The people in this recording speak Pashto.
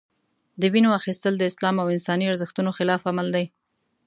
د وینو اخیستل د اسلام او انساني ارزښتونو خلاف عمل دی.